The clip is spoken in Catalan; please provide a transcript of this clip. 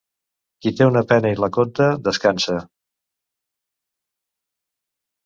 Qui té una pena i la conta, descansa.